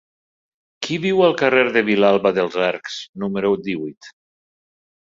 Qui viu al carrer de Vilalba dels Arcs número divuit?